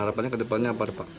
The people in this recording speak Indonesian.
harapannya ke depannya apa pak